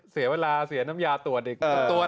เสียเวลาเสียน้ำยาตรวจอีกตัว